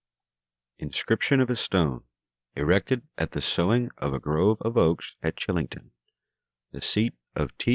INSCRIPTION FOR A STONE ERECTED AT THE SOWING OF A GROVE OF OAKS AT CHILLINGTON, THE SEAT OF T.